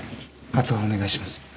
あとはお願いします。